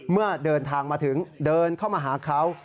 เมื่อเดินทางมาถึงเดินเข้ามาหาเขา